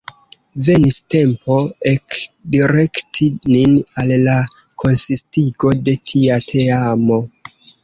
Venis tempo ekdirekti nin al la konsistigo de tia teamo.